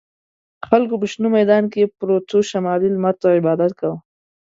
خلکو په شنه میدان پروتو شمالي لمر ته عبادت کاوه.